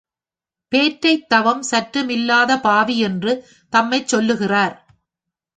பேற்றைத் தவம் சற்று மில்லாத பாவி என்று தம்மைச் சொல்லுகிறார்.